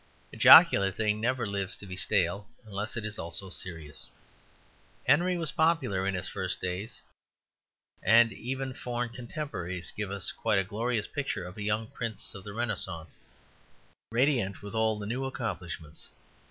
A jocular thing never lives to be stale unless it is also serious. Henry was popular in his first days, and even foreign contemporaries give us quite a glorious picture of a young prince of the Renascence, radiant with all the new accomplishments.